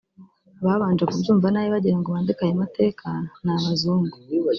Ababanje kubyumva nabi bagira ngo bandike ayo mateka ni Abazungu